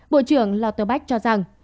bộ trưởng lauterbach cho rằng